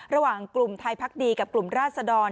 ระหว่างกลุ่มไทยพักดีกับกลุ่มราชดร